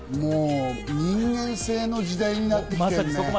人間性の時代になってるね。